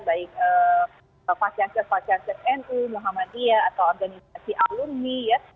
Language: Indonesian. baik vaksinase vaksinase nu muhammadiyah atau organisasi alumni ya